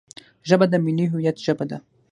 ژبه د ملي هویت ژبه ده